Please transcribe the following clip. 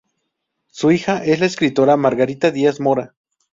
Su hija es la escritora Margarita Díaz Mora.